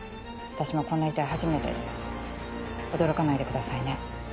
私もこんな遺体初めてで驚かないでくださいね。